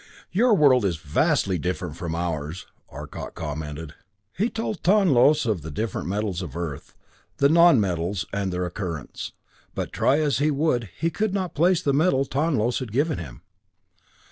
"Your world is vastly different from ours," Arcot commented. He told Tonlos of the different metals of Earth, the non metals, and their occurrence. But try as he would, he could not place the metal Tonlos had given him.